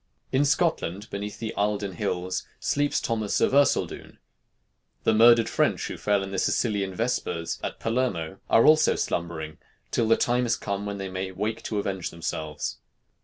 In Scotland, beneath the Eilden hills, sleeps Thomas of Erceldoune; the murdered French who fell in the Sicilian Vespers at Palermo are also slumbering till the time is come when they may wake to avenge themselves.